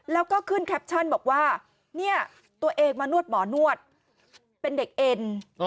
แล้วก็ขึ้นแคปชั่นบอกว่าเนี่ยตัวเองมานวดหมอนวดเป็นเด็กเอ็น